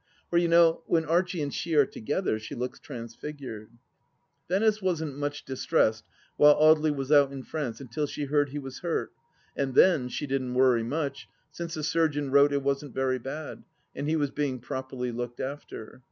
For, you know, when Archie and she are together, she looks transfigured ! Venice wasn't much distressed while Audely was out in France imtil she heard he was hurt, and then she didn't worry much, since the surgeon wrote it wasn't very bad, and he was being properly looked after.